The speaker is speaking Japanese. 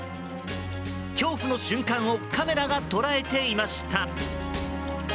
恐怖の瞬間をカメラが捉えていました。